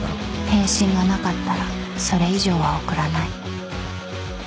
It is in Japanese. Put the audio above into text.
返信がなかったらそれ以上は送らない